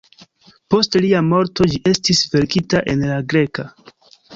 Post lia morto ĝi estis verkita en la greka.